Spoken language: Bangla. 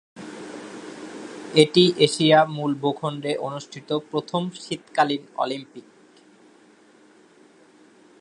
এটি এশিয়া মূল ভূখণ্ডে অনুষ্ঠিত প্রথম শীতকালীন অলিম্পিক।